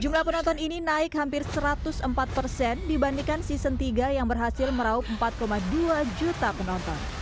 jumlah penonton ini naik hampir satu ratus empat persen dibandingkan season tiga yang berhasil meraup empat dua juta penonton